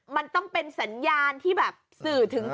มันต้องเป็นสัญญาณที่แบบสื่อถึง